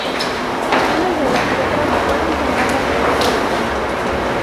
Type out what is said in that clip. Algunas de las letras fueron tomadas de otras fuentes.